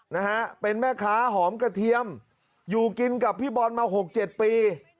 นะฮะเป็นแม่ค้าหอมกระเทียมอยู่กินกับพี่บอลมาหกเจ็ดปี